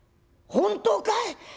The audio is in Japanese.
「本当かい？